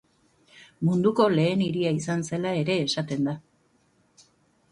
Munduko lehen hiria izan zela ere esaten da.